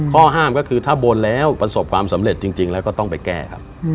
ข้อห้ามก็คือถ้าบนแล้วประสบความสำเร็จจริงแล้วก็ต้องไปแก้ครับ